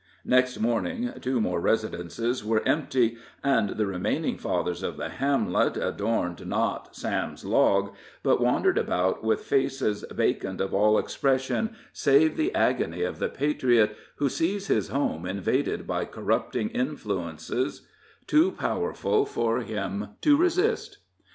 Next morning two more residences were empty, and the remaining fathers of the hamlet adorned not Sam's log, but wandered about with faces vacant of all expression save the agony of the patriot who sees his home invaded by corrupting influences too powerful for him to resist.